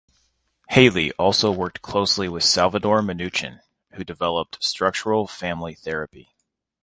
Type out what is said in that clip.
Haley also worked closely with Salvador Minuchin, who developed Structural Family Therapy.